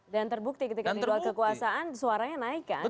dan terbukti ketika di doa kekuasaan suaranya naik kan justru ya